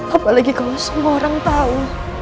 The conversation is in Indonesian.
apalagi kalau semua orang tahu